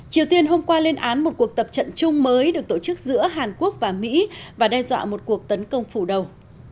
triều tiên hôm qua lên án một cuộc tập trận chung mới được tổ chức giữa hàn quốc và mỹ và đe dọa một cuộc tấn công phủ đầu